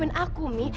mami ngertiin aku mi